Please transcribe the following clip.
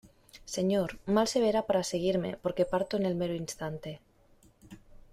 señor, mal se verá para seguirme , porque parto en el mero instante.